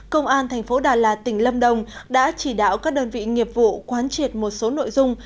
công an thành phố đà lạt tỉnh lâm đồng đã chỉ đạo các đơn vị nghiệp vụ quán triệt một số nội dung